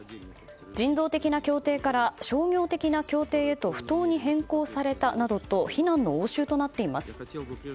人道的な協定から商業的な協定へと不当に変更されたなどと非難の応酬となっています。